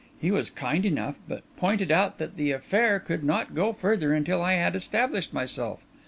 He was kind enough, but pointed out that the affair could not go further until I had established myself.